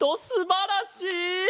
すばらしい！